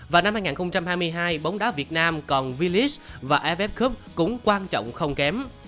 và năm hai nghìn hai mươi hai bóng đá việt nam còn vlis và iff cup cũng quan trọng không kém